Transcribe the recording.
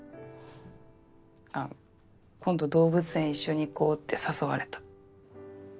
あ今度動物園一緒に行こうって誘われた。